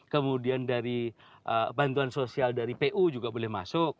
kemudian dari bantuan sosial dari pu juga boleh masuk